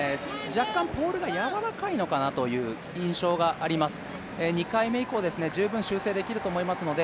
若干ポールがやわらかいのかなという印象があります。